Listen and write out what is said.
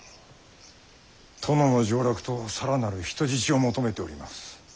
殿の上洛と更なる人質を求めております。